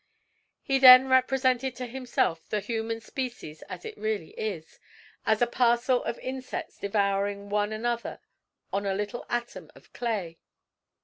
He then represented to himself the human species as it really is, as a parcel of insects devouring one another on a little atom of clay.